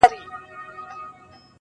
همېشه به يې دوه درې فصله کرلې!.